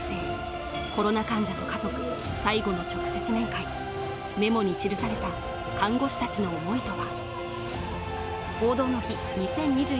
コロナ患者の家族、最後メモに記された、看護師たちの思いとは。